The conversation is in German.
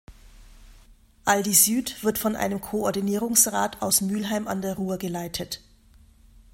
Aldi Süd wird von einem Koordinierungsrat aus Mülheim an der Ruhr geleitet.